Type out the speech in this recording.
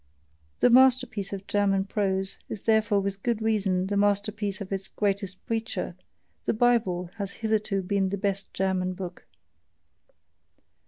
The masterpiece of German prose is therefore with good reason the masterpiece of its greatest preacher: the BIBLE has hitherto been the best German book.